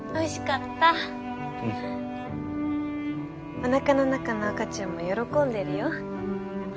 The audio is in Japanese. お腹の中の赤ちゃんも喜んでるよ。